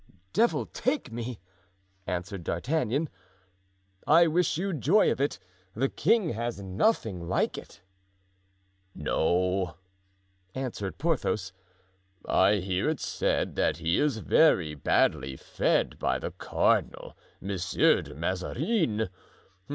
"Devil take me!" answered D'Artagnan, "I wish you joy of it. The king has nothing like it." "No," answered Porthos, "I hear it said that he is very badly fed by the cardinal, Monsieur de Mazarin.